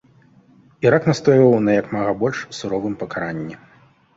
Ірак настойваў на як мага больш суровым пакаранні.